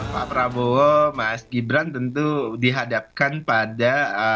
pak prabowo mas gibran tentu dihadapkan pada